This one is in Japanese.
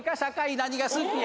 何が好きや？